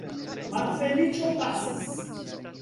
Malfeliĉo pasis!